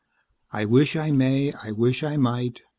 "I wish I may, I wish I might